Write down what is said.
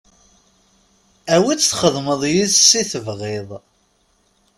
Awi-tt txedmeḍ yes-s i tebɣiḍ.